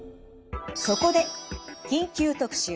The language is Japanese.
そこで緊急特集。